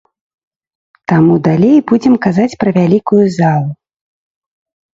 Таму далей будзем казаць пра вялікую залу.